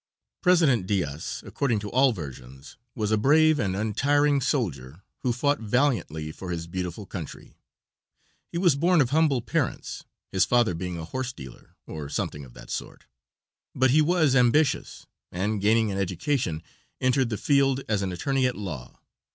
President Diaz, according to all versions, was a brave and untiring soldier, who fought valiantly for his beautiful country. He was born of humble parents, his father being a horse dealer, or something of that sort; but he was ambitions, and gaining an education entered the field as an attorney at law.